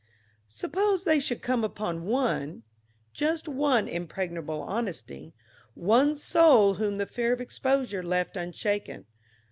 Suppose they should come upon one, just one impregnable honesty, one soul whom the fear of exposure left unshaken.